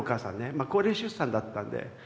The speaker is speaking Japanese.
まあ高齢出産だったんで。